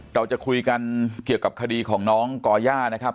เราจะคุยกันเกี่ยวกับคดีของน้องก่อย่านะครับ